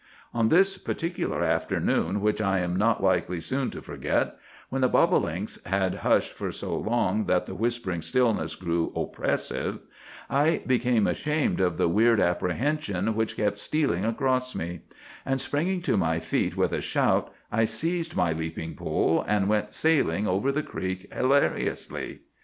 "On this particular afternoon, which I am not likely soon to forget, when the bobolinks had hushed for so long that the whispering stillness grew oppressive, I became ashamed of the weird apprehension which kept stealing across me; and springing to my feet with a shout, I seized my leaping pole, and went sailing over the creek hilariously.